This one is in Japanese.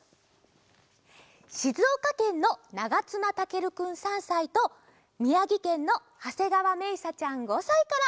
しずおかけんのながつなたけるくん３さいとみやぎけんのはせがわめいさちゃん５さいから。